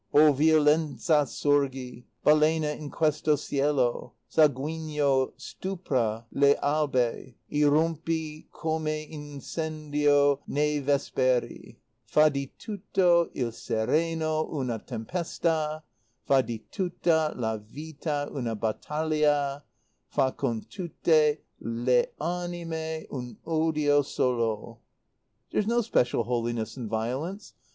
"'O Violenza, sorgi, balena in questo cielo Sanguigno, stupra le albe, irrompi come incendio nei vesperi, fa di tutto il sereno una tempesta, fa di tutta la vita una bataglia, fa con tutte le anime un odio solo!' "There's no special holiness in violence.